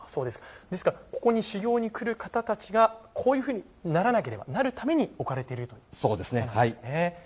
ですからここに修行に来る方たちがこういうふうにならなければなるために置かれているということですね。